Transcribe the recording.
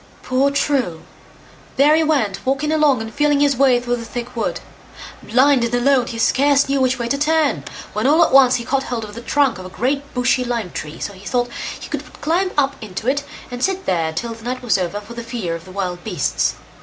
Poor True! there he went walking along and feeling his way through the thick wood. Blind and alone, he scarce knew which way to turn, when all at once he caught hold of the trunk of a great bushy lime tree, so he thought he would climb up into it, and sit there till the night was over for fear of the wild beasts.